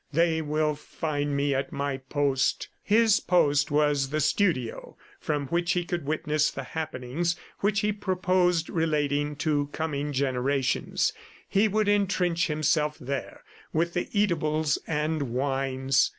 "They will find me at my post!" ... His post was the studio from which he could witness the happenings which he proposed relating to coming generations. He would entrench himself there with the eatables and wines.